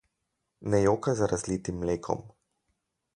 Ne jokaj za razlitim mlekom.